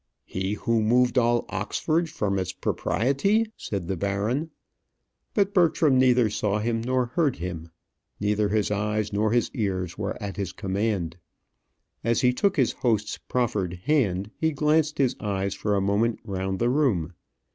"He who moved all Oxford from its propriety?" said the baron. But Bertram neither saw him nor heard him. Neither his eyes nor his ears were at his command. As he took his host's proffered hand, he glanced his eyes for a moment round the room.